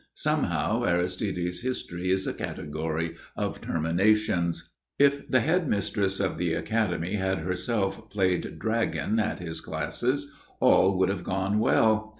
Somehow, Aristide's history is a category of terminations. If the head mistress of the academy had herself played dragon at his classes, all would have gone well.